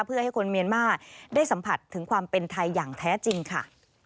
เพื่อให้คนเมียนมาร์ได้สัมผัสถึงความเป็นไทยอย่างแท้จริงค่ะ